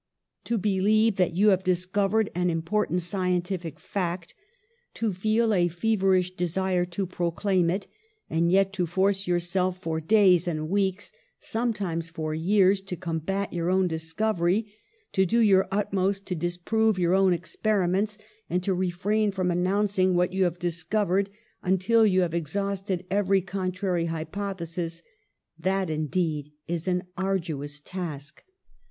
^To believe that you have discovered an im portant scientific fact, to feel a feverish desire to proclaim it, and yet to force yourself, for days and weeks, sometimes for years, to combat your own discovery, to do your utmost to dis prove your own experiments, and to refrain from announcing what you have discovered un til you have exhausted every contrary hypothe sis, that indeed is an arduous task.